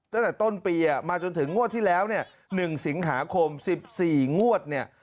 ตั้งแต่ต้นปีมาจนถึงงวดที่แล้วเนี่ย๑สิงหาคม๑๔งวดเนี่ย